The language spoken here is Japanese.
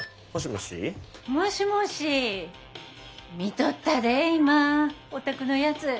もしもし見とったで今オタクのやつ。